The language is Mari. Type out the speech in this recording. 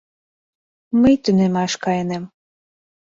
— Мый тунемаш кайынем.